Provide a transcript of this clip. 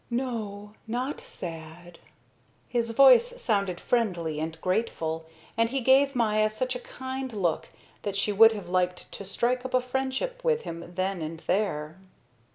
"No, not sad." His voice sounded friendly and grateful, and he gave Maya such a kind look that she would have liked to strike up a friendship with him then and there.